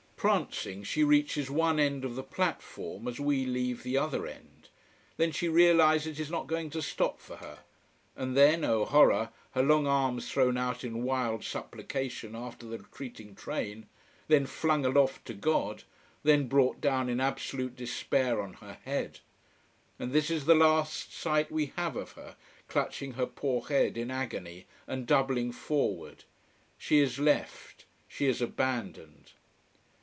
Prancing, she reaches one end of the platform as we leave the other end. Then she realizes it is not going to stop for her. And then, oh horror, her long arms thrown out in wild supplication after the retreating train: then flung aloft to God: then brought down in absolute despair on her head. And this is the last sight we have of her, clutching her poor head in agony and doubling forward. She is left she is abandoned.